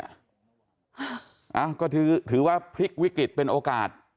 อ้าวก็ถือว่าพลิกวิกฤตเป็นโอกาส